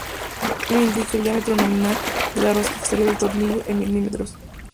La M indica el diámetro nominal de la rosca exterior del tornillo, en milímetros.